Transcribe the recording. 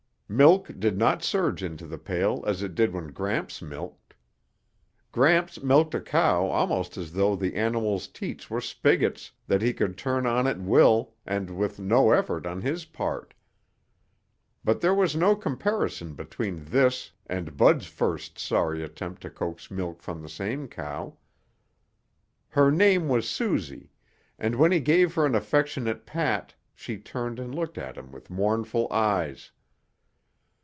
Milk did not surge into the pail as it did when Gramps milked; Gramps milked a cow almost as though the animal's teats were spigots that he could turn on at will and with no effort on his part. But there was no comparison between this and Bud's first sorry attempt to coax milk from the same cow. Her name was Susie, and when he gave her an affectionate pat she turned and looked at him with mournful eyes.